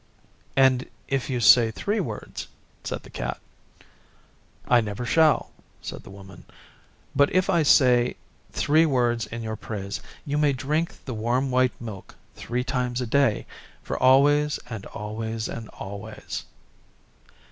'And if you say three words?' said the Cat. 'I never shall,' said the Woman, 'but if I say three words in your praise, you may drink the warm white milk three times a day for always and always and always.